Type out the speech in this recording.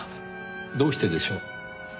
どうしてでしょう？